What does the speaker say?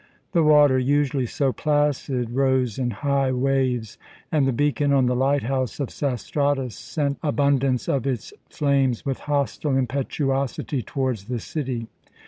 The water, usually so placid, rose in high waves, and the beacon on the lighthouse of Sastratus sent the rent abundance of its flames with hostile impetuosity towards the city.